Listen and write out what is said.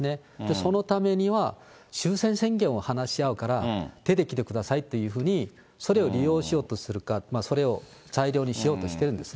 そのためには、終戦宣言を話し合うから、出てきてくださいというふうに、それを利用しようとするか、それを材料にしようとしているんですね。